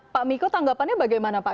pak miko tanggapannya bagaimana pak